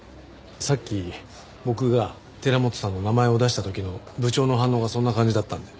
さっき僕が寺本さんの名前を出した時の部長の反応がそんな感じだったんで。